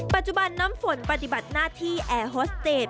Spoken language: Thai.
ปัจจุบันน้ำฝนปฏิบัติหน้าที่แอร์ฮอสเตจ